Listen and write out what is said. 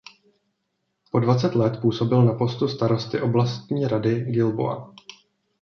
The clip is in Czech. Po dvacet let působil na postu starosty Oblastní rady Gilboa.